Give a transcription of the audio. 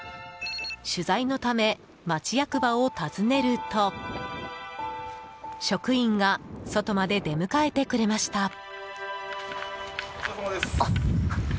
取材のため町役場を訪ねると職員が外まで出迎えてくれました。